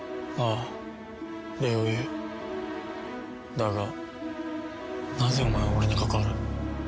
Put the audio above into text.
だがなぜお前は俺に関わる？